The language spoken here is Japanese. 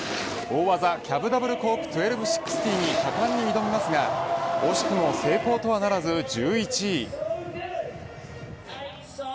大技キャブダブルコーク１２６０に果敢に挑みますが惜しくも成功とはならず１１位。